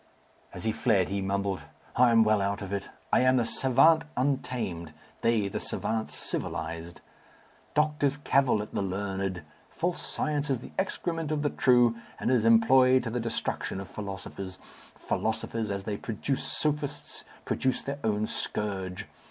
As he fled he mumbled, "I am well out of it. I am the savant untamed; they the savants civilized. Doctors cavil at the learned. False science is the excrement of the true, and is employed to the destruction of philosophers. Philosophers, as they produce sophists, produce their own scourge.